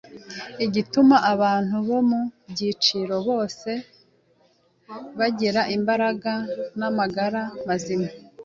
igatuma abantu bo mu byiciro byose bagira imbaraga n’amagara mazima.